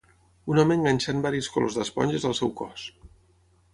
Un home enganxant varis colors d'esponges al seu cos.